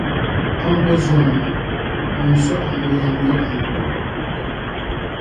ango zonima. ŋun su amiliya n-nyɛ ango;